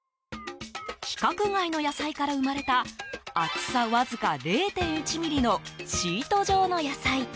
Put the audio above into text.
規格外の野菜から生まれた厚さ、わずか０．１ｍｍのシート状の野菜。